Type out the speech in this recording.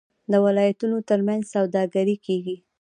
د ولایتونو ترمنځ سوداګري کیږي.